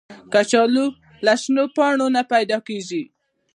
کچالو له شنو پاڼو نه پیدا کېږي